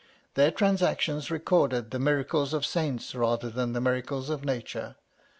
Their Transactions recorded the miracles of saints rather than the miracles of nature.